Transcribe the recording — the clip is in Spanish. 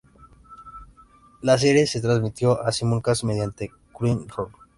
La serie se transmitió en simulcast mediante Crunchyroll.